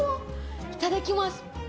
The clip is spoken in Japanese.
いただきます！